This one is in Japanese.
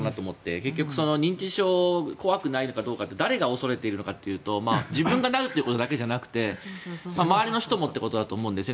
結局、認知症が怖くないかどうかって誰が恐れているかというと自分がなるということだけでなく周りの人もということだと思うんですね。